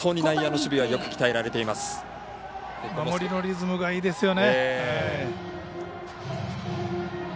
守りのリズムがいいですよね。